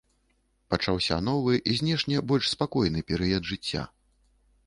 Пачаўся новы, знешне больш спакойны перыяд жыцця.